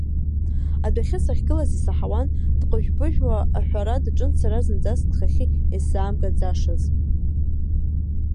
Адәахьы сахьгылаз исаҳауан, дҟыжә-быжәуа аҳәара даҿын сара зынӡаск схахьы исзаамгаӡашаз.